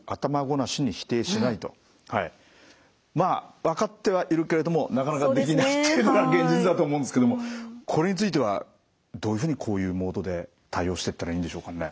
まあ分かってはいるけれどもなかなかできないっていうのが現実だと思うんですけどもこれについてはどういうふうにこういうモードで対応してったらいいんでしょうかね？